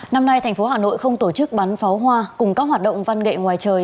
năm nay thành phố hà nội không tổ chức bắn pháo hoa cùng các hoạt động văn nghệ ngoài trời